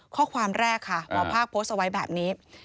ข้อความแรกค่ะหมอภาคโพสต์เอาไว้แบบนี้